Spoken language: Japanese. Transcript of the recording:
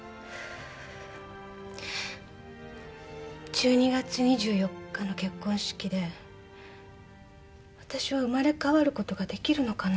１２月２４日の結婚式であたしは生まれ変わることができるのかな？